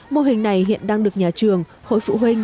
mô hình này hiện đang được nhà trường hội phụ huynh